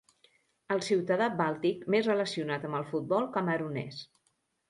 El ciutadà bàltic més relacionat amb el futbol camerunès.